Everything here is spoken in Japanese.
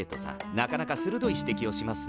なかなかするどい指摘をしますね。